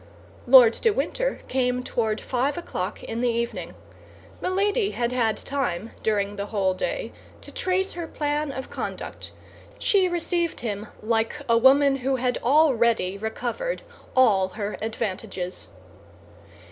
Lord de Winter came toward five o'clock in the evening. Milady had had time, during the whole day, to trace her plan of conduct. She received him like a woman who had already recovered all her advantages.